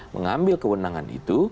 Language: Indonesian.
mengambil kewenangan itu